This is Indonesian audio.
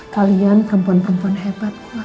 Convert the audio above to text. kalian perempuan perempuan hebat kuat ya